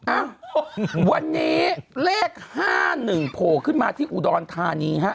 อ้าววันนี้เลข๕๑โผล่ขึ้นมาที่อุดรธานีฮะ